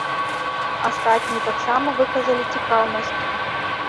Астатнія таксама выказалі цікаўнасць.